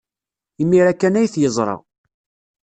Imir-a kan ay t-yeẓra.